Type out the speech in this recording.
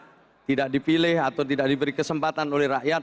akhirnya nanti ya tidak dipilih atau tidak diberi kesempatan oleh rakyat